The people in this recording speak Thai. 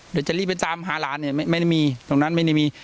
เดี๋ยวจะรีบไปตามหาหลานเนี่ยไม่ได้มีตรงนั้นไม่ได้มี